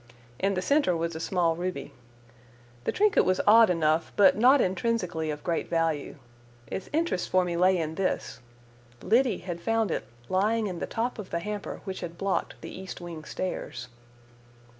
In the center was a small ruby. The trinket was odd enough, but not intrinsically of great value. Its interest for me lay in this: Liddy had found it lying in the top of the hamper which had blocked the east wing stairs.